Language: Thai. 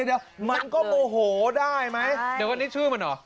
เอาใหม่เอาใหม่